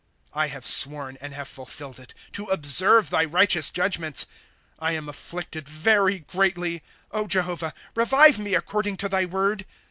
Google '" I have sworn, and iiave fulHlicd it, To observe thy righteous judgments. ''' I am afflicted very greatly ; Jehovah, revive me according to thy word.